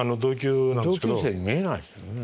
同級生に見えないですけどね。